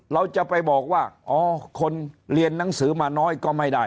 เราจะไปบอกว่าอ๋อคนเรียนหนังสือมาน้อยก็ไม่ได้